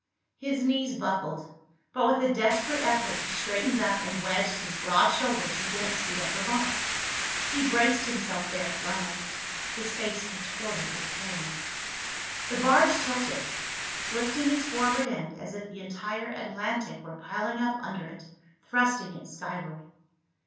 His knees buckled, but with a desperate effort he straightened up and wedged his broad shoulders against the upper bunk. He braced himself there for a moment, his face contorted with pain. The barge tilted, lifting its forward end as if the entire Atlantic were piling up under it, thrusting it skyward.